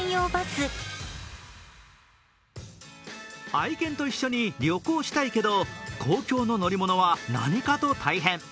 愛犬と一緒に旅行したいけど公共の乗り物は何かと大変。